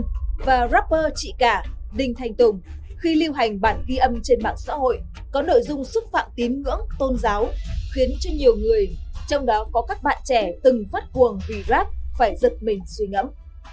đối với rapper trí là lê vũ an và rapper chị cả đinh thanh tùng khi lưu hành bản ghi âm trên mạng xã hội có nội dung xuất phạm tím ngưỡng tôn giáo khiến cho nhiều người trong đó có các bạn trẻ từng phát cuồng vì rap phải giật mình suy ngẫm